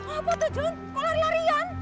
apa tuh jun kok lari larian